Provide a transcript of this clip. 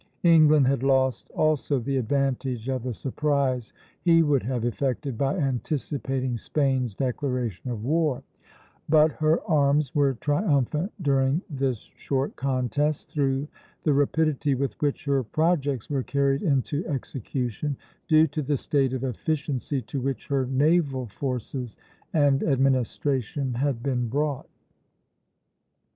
England had lost also the advantage of the surprise he would have effected by anticipating Spain's declaration of war; but her arms were triumphant during this short contest, through the rapidity with which her projects were carried into execution, due to the state of efficiency to which her naval forces and administration had been brought.